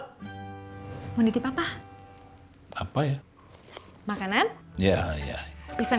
kamu kalau ditanya itu jawab yang bener